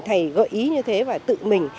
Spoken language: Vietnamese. thầy gợi ý như thế và tự mình